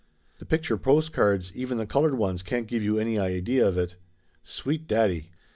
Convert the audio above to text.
The picture postcards, even the colored ones, can't give you any idea of it. Sweet daddy